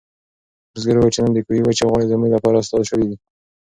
بزګر وویل چې نن د کوهي وچې غاړې زموږ لپاره استاد شوې.